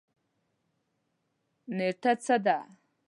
نیټه څه ده؟